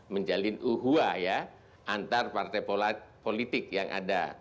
menjalin uhwa ya antar partai politik yang ada